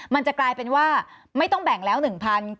มันจะกลายเป็นว่าไม่ต้องแบ่งแล้ว๑๐๐บาท